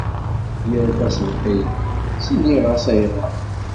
Yal taṣebḥit ttiniɣ-as ayɣer.